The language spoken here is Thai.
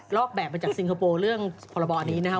อกแบบมาจากซิงคโปร์เรื่องพรบอันนี้นะครับ